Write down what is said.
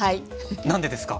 何でですか？